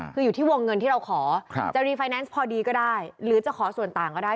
คืออยู่ที่วงเงินที่เราขอจะรีไฟแนนซ์พอดีก็ได้หรือจะขอส่วนต่างก็ได้